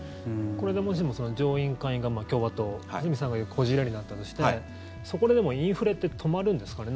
これでもしも上院・下院が共和党堤さんが言うこじれになったとしてそこでインフレって止まるんですかね。